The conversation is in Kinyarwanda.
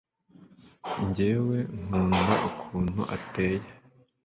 ngewe nkunda ukuntu ateye